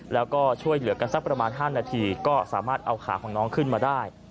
แล้วก็ช่วยเหลือกันสักประมาณ๕นาทีก็สามารถเอาขาของน้องขึ้นมาได้